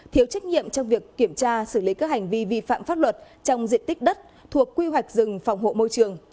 thiếu trách nhiệm trong việc kiểm tra xử lý các hành vi vi phạm pháp luật trong diện tích đất thuộc quy hoạch rừng phòng hộ môi trường